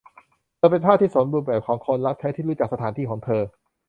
เธอเป็นภาพที่สมบูรณ์แบบของคนรับใช้ที่รู้จักสถานที่ของเธอ